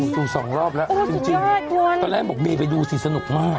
ดูสองรอบแล้วจริงตอนแรกบอกเมย์ไปดูสิสนุกมาก